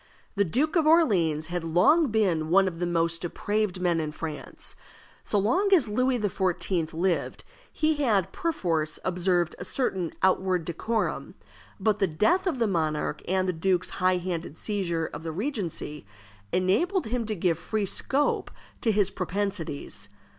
The Duke of Orleans had long been one of the most depraved men in France. So long as Louis XIV. lived he had perforce observed a certain outward decorum; but the death of the monarch, and the duke's high handed seizure of the regency, enabled him to give free scope to his propensities.